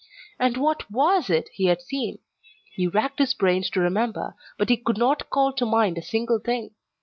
And what WAS it he had seen? He racked his brains to remember, but he could not call to mind a single thing!